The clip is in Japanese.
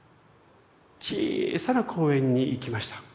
小さな公園に行きました。